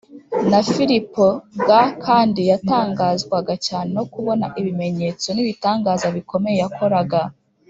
na Filipo g kandi yatangazwaga cyane no kubona ibimenyetso n ibitangaza bikomeye yakoraga